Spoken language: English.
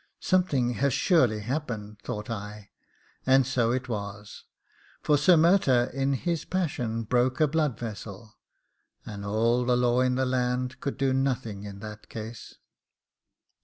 Something has surely happened, thought I; and so it was, for Sir Murtagh in his passion broke a blood vessel, and all the law in the land could do nothing in that case.